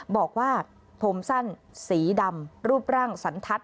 บอกว่าผมสั้นสีดำรูปร่างสันทัศน